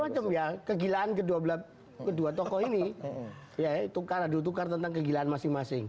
macam ya kegilaan kedua tokoh ini ya tukar adu tukar tentang kegilaan masing masing